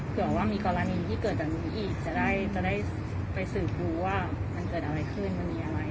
เผื่อว่ามีกรณีที่เกิดจากนี้อีกจะได้จะได้ไปสืบดูว่ามันเกิดอะไรขึ้นมันมีอะไร